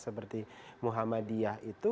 seperti muhammadiyah itu